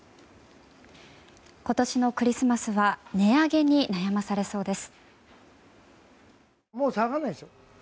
今年のクリスマスは値上げに悩まされそうです。